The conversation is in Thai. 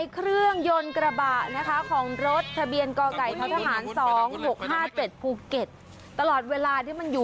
ขอความช่วยเหลือตลอดเลย